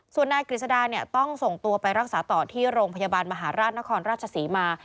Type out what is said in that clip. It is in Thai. ส่วนนายกฤษดาเนี่ยต้องส่งตัวไปรักษาต่อที่โรงพยาบาลมหาราชนครราชศรีมา